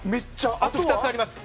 あと２つあります。